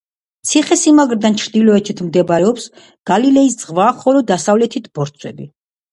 ციხესიმაგრიდან ჩრდილოეთით მდებარეობს გალილეის ზღვა, ხოლო დასავლეთით ბორცვები.